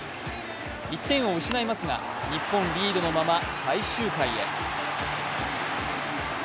１点を失いますが日本リードのまま最終回へ。